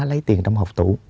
lấy tiền trong học tủ